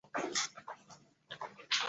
滇东杜根藤为爵床科杜根藤属的植物。